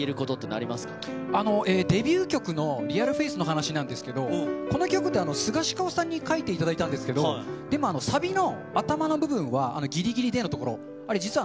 あの、デビュー曲のＲｅａｌＦａｃｅの話なんですけど、この曲って、スガシカオさんに書いていただいたんですけど、でも、サビの頭の部分は、ぎりぎりでのところ、あれ実は、え？